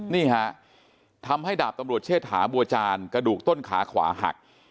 นี่ฮะทำให้ดาบตำรวจเชษฐาบัวจานกระดูกต้นขาขวาหัก